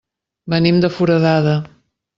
Venim de Foradada.